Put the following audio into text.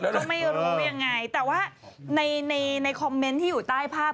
ก็ไม่รู้ยังไงแต่ว่าในในคอมเมนต์ที่อยู่ใต้ภาพ